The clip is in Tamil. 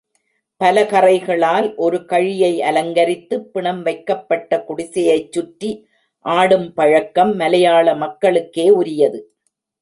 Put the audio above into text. பலகறைகளால் ஒரு கழியை அலங்கரித்து, பிணம் வைக்கப்பட்ட குடிசையைச் சுற்றி ஆடும் பழக்கம் மலையாள மக்களுக்கே உரியது.